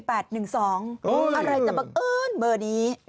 อะไรจะเอิ้นเมื่อนี้